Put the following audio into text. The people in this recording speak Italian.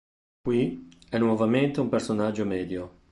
Qui, è nuovamente un personaggio medio.